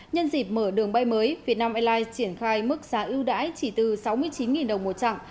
nhân dịp mở đường bay mới vietnam airlines triển khai mức giá ưu đãi chỉ từ sáu mươi chín đồng một chặng